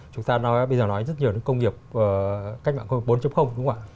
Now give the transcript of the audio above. chúng ta bây giờ nói rất nhiều công nghiệp cách mạng bốn đúng không ạ